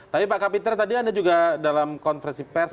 tapi pak kapiter tadi anda juga dalam konferensi pers